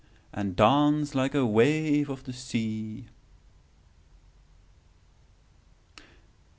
'And dance like a wave of the sea.